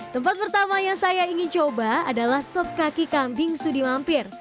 tempat pertama yang saya ingin coba adalah sop kaki kambing sudi mampir